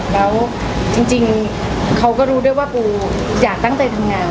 แล้วจริงเขาก็รู้ด้วยว่าปูอยากตั้งใจทำงาน